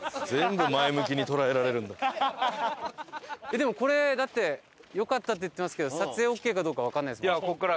でもこれだってよかったって言ってますけど撮影オーケーかどうかわかんないですから。